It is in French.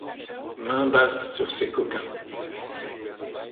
Main basse sur ces coquins!